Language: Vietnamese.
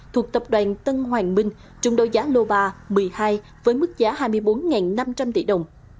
thuộc tập đoàn tân hoàng minh trung đối giá lô ba một mươi hai với mức giá hai mươi bốn năm trăm linh tỷ đồng